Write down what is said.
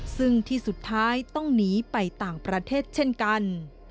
ซึ่งที่สุดท้ายต้องหนีไปต่างประเทศเช่นกัน